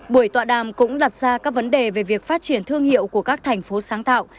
buổi tọa đàm cũng đặt ra các vấn đề về việc phát triển thương hiệu của các thành phố sáng tạo